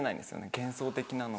幻想的なのを。